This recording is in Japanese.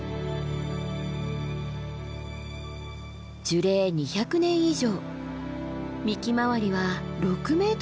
樹齢２００年以上幹周りは６ｍも。